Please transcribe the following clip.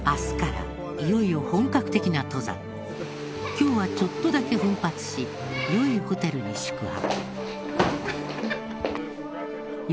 今日はちょっとだけ奮発し良いホテルに宿泊。